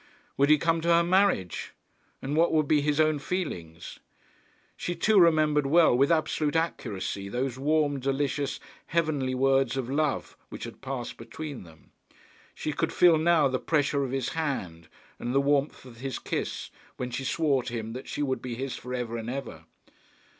Would he come to her marriage? And what would be his own feelings? She too remembered well, with absolute accuracy, those warm, delicious, heavenly words of love which had passed between them. She could feel now the pressure of his hand and the warmth of his kiss, when she swore to him that she would be his for ever and ever.